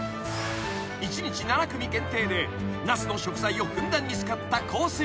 ［一日７組限定で那須の食材をふんだんに使ったコース